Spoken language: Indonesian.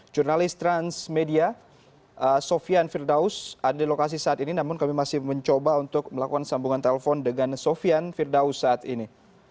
jurnalis transmedia sofian firdaus ada di lokasi saat ini namun kami masih mencoba untuk melakukan sambungan telepon dengan sofian firdaus saat ini